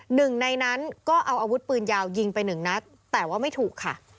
หนึ่งในนั้นก็เอาอาวุธปืนยาวยิงไปหนึ่งนัดแต่ว่าไม่ถูกค่ะ